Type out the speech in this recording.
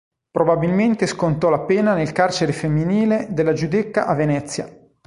Probabilmente scontò la pena nel carcere femminile della Giudecca a Venezia.